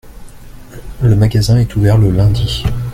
le magazin est ouvert le lundi.